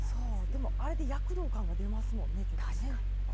でもあれで躍動感が出ますもんねちょっとね。